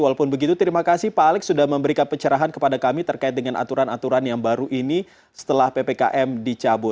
walaupun begitu terima kasih pak alex sudah memberikan pencerahan kepada kami terkait dengan aturan aturan yang baru ini setelah ppkm dicabut